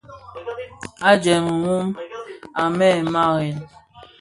A jèm mum, a mêê maàʼyèg.